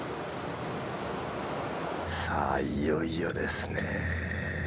さあいよいよですねえ。